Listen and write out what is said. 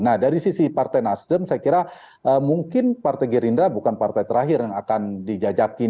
nah dari sisi partai nasdem saya kira mungkin partai gerindra bukan partai terakhir yang akan dijajakin